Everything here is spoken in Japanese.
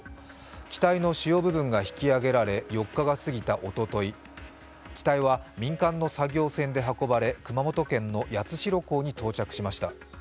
機体の主要部分が引き揚げられ４日が過ぎたおととい、機体は民間の作業船で運ばれ熊本県の八代港に到着しました。